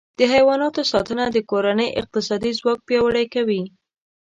د حیواناتو ساتنه د کورنۍ اقتصادي ځواک پیاوړی کوي.